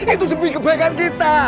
itu demi kebaikan kita